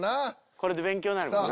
これで勉強になるもんな。